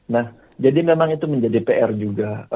nah jadi memang itu menjadi pr juga